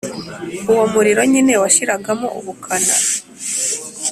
uwo muriro nyine washiragamo ubukana.